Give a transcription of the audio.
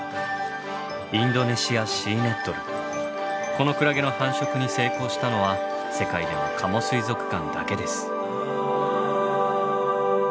このクラゲの繁殖に成功したのは世界でも加茂水族館だけです。